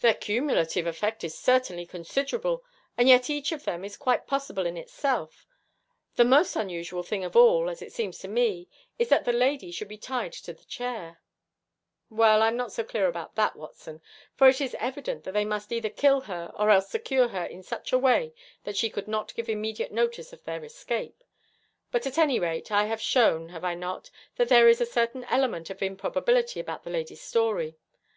'Their cumulative effect is certainly considerable, and yet each of them is quite possible in itself. The most unusual thing of all, as it seems to me, is that the lady should be tied to the chair.' 'Well, I am not so clear about that, Watson, for it is evident that they must either kill her or else secure her in such a way that she could not give immediate notice of their escape. But at any rate I have shown, have I not, that there is a certain element of improbability about the lady's story?